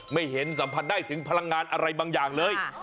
ไม่เห็นสัมผัสได้ถึงพลังงานอะไรบางอย่างเลย